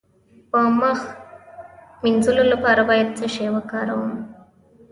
د مخ د مینځلو لپاره باید څه شی وکاروم؟